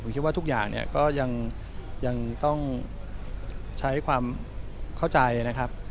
ผมคิดว่าทุกอย่างเนี่ยก็ยังต้องใช้ความเข้าใจนะครับ